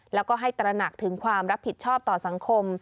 แล้วก็ให้ตระหนักถึงความรับผิดชอบต่อสังคม